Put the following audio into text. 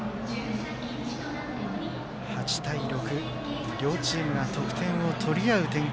８対６、両チームが得点を取り合う展開。